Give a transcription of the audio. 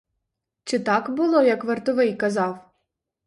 Чи так було, як вартовий казав?